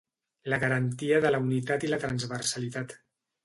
La garantia de la unitat i la transversalitat.